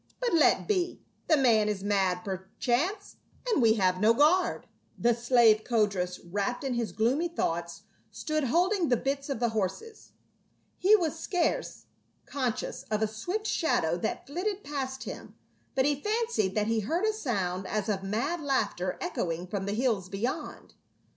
"But let be; the man is mad perchance, and we have no guard." 88 PA UL. The slave, Codrus, wrapped in his gloomy thoughts, stood holding the bits of the horses. He was scarce conscious of a swift shadow that flitted past him, but he fancied that he heard a sound as of mad laughter echoing from the hills beyond.